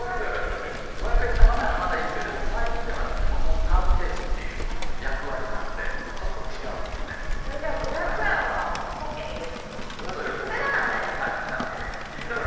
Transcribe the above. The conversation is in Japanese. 五百円玉ならまだいいんですけど、でも、財布ではなくてもともとカードケースという役割なのでじゃ、５００円はポッケに入れておきます、それなら大丈夫ですか。